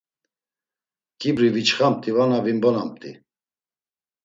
Ǩibri viçxamti vana vimbonamti?